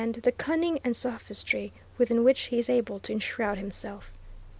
the cunning and sophistry within which he is able to enshroud himself."